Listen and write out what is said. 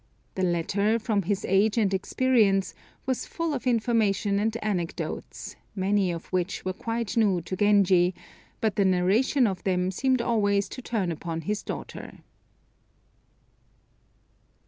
The latter, from his age and experience, was full of information and anecdotes, many of which were quite new to Genji, but the narration of them seemed always to turn upon his daughter.